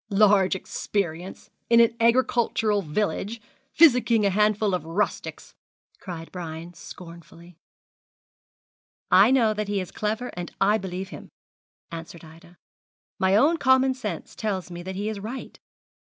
'Large experience! in an agricultural village physicking a handful of rustics!' cried Brian, scornfully. 'I know that he is clever, and I believe him,' answered Ida; 'my own common sense tells me that he is right.